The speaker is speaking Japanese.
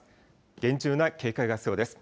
厳重な警戒が必要です。